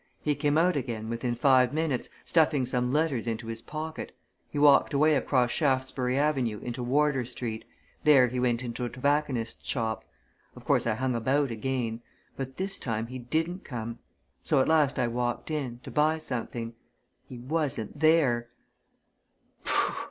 He came out again within five minutes, stuffing some letters into his pocket. He walked away across Shaftesbury Avenue into Wardour Street there he went into a tobacconist's shop. Of course, I hung about again. But this time he didn't come. So at last I walked in to buy something. He wasn't there!"